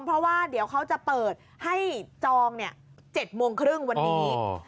เพราะว่าเดี๋ยวเขาจะเปิดให้จอง๗โมงครึ่งวันนี้